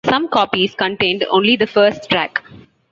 Some copies contained only the first track.